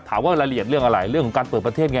ถามว่ารายละเอียดเรื่องอะไรเรื่องของการเปิดประเทศไง